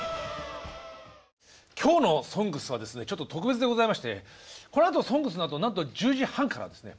今日の「ＳＯＮＧＳ」はですねちょっと特別でございましてこのあと「ＳＯＮＧＳ」のあとなんと１０時半からですねＦＩＦＡ